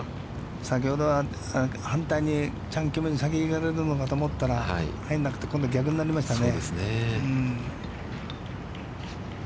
先ほどは反対にチャン・キムに先に行かれるのかと思ったら、今度は逆になりましたね。